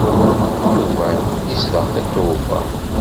Yuba izdeɣ Tatoeba!